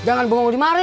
eh jangan bawa dimari